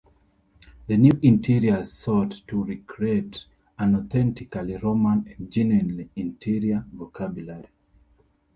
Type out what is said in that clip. The new interiors sought to recreate an authentically Roman and genuinely interior vocabulary.